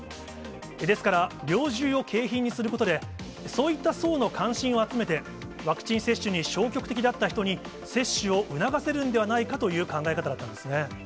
ですから、猟銃を景品にすることで、そういった層の関心を集めて、ワクチン接種に消極的だった人に、接種を促せるんではないかという考え方だったんですね。